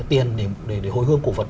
tiền để hồi hương cổ vật